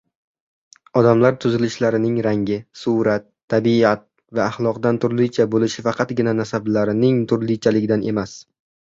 Odamlar tuzilishlarining rangi, suvrat, tabiat va axloqda turlicha bo‘lishi faqatgina nasablarining turlichaligidan emas